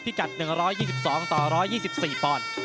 กัด๑๒๒ต่อ๑๒๔ปอนด์